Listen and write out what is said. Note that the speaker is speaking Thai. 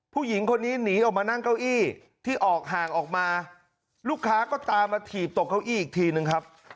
ผู้หญิงคนนี้หนีออกมานั่งเก้าอี้ที่ออกห่างออกมาลูกค้าก็ตามมาถีบตกเก้าอี้อีกทีนึงครับ